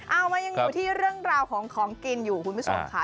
เอามายังอยู่ที่เรื่องราวของของกินอยู่คุณผู้ชมค่ะ